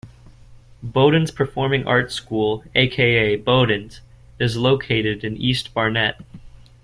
Bodens Performing Arts School, aka Bodens, is located in East Barnet.